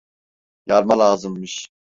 Yarma lazımmış.